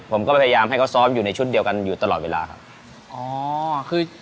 ผมก็พยายามให้เขาซ้อมอยู่ในชุดเดียวกันอยู่ตลอดเวลาครับ